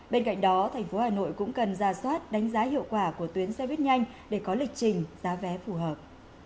bên cạnh đó tp hà nội cũng cần ra soát đánh giá hiệu quả của tuyến xe buýt nhanh để có lịch trình giá vé phù hợp